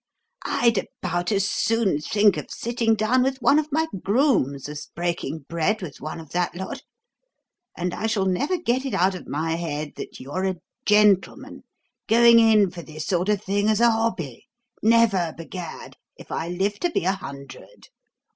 "I'd about as soon think of sitting down with one of my grooms as breaking bread with one of that lot; and I shall never get it out of my head that you're a gentleman going in for this sort of thing as a hobby never b'Gad! if I live to be a hundred."